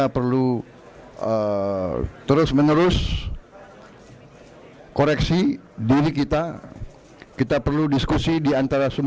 pagnerah dariability com nolong iapa am